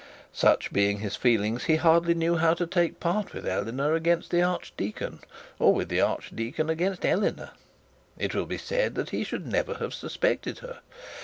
Such being his feelings, he hardly knew how to take part with Eleanor against the archdeacon, or with the archdeacon against Eleanor. It will be said that he should never have suspected her.